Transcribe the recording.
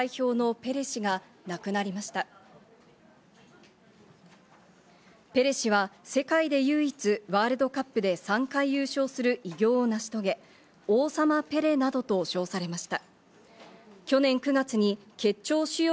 ペレ氏は世界で唯一、ワールドカップで３回優勝する偉業を成し遂げ、王様ペレなどと称されました。